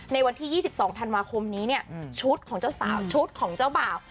ในวันที่๒๒ธันวาคมนี้เนี่ยชุดของเจ้าสาวชุดของเจ้าบ่าว